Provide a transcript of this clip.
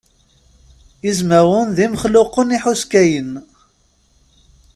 Izmawen d imexluqen ihuskayen.